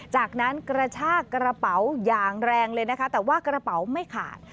จากนั้นกระชากกระเป๋าอย่างแรงเลยนะคะแต่ว่ากระเป๋าไม่ขาด